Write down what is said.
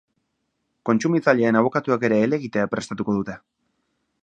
Kontsumitzaileen abokatuek ere helegitea prestatuko dute.